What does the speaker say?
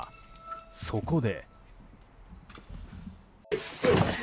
そこで。